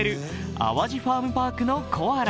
淡路ファームパークのコアラ。